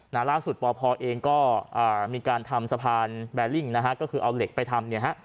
ล่าสุดปพเองก็อ่ามีการทำสะพานแบลิ่งนะฮะก็คือเอาเหล็กไปทำเนี่ยฮะ